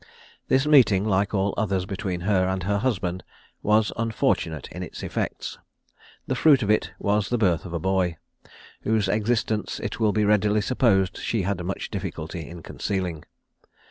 This meeting, like all others between her and her husband, was unfortunate in its effects: the fruit of it was the birth of a boy, whose existence it will be readily supposed she had much difficulty in concealing.